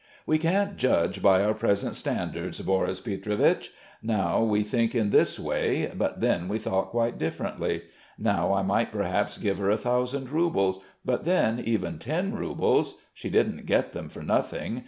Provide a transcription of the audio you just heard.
"We can't judge by our present standards, Boris Pietrovich. Now we think in this way; but then we thought quite differently.... Now I might perhaps give her a thousand roubles; but then even ten roubles ... she didn't get them for nothing.